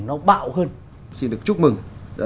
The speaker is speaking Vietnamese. nó bạo hơn xin được chúc mừng